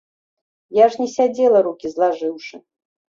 Я ж не сядзела рукі злажыўшы.